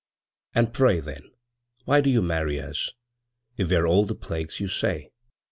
And pray, then, why do you marry us, If we're all the plagues you say?